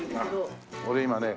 俺今ね